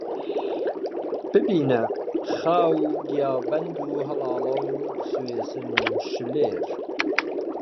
ببینە خاو و گیابەند و هەڵاڵە و سوێسن و شللێر